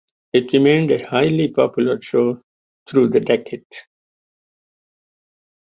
It remained a highly popular show through the decade.